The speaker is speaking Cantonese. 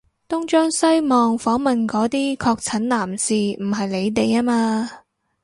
東張西望訪問嗰啲確診男士唔係你哋吖嘛？